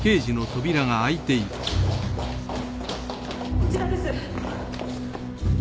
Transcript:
こちらです。